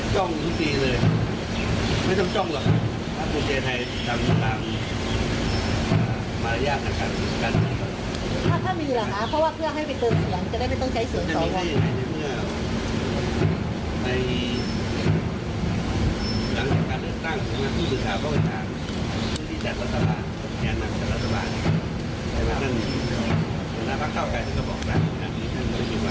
ถ้ามีหรือคะเพราะว่าเพื่อให้ไปเติมเสียงจะได้ไม่ต้องใช้เสียงสองวัน